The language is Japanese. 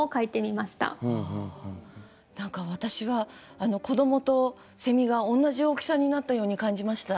何か私は子どもとがおんなじ大きさになったように感じました。